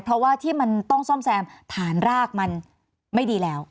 เพราะว่าที่มันต้องซ่อมแซมฐานรากมันไม่ดีแล้ว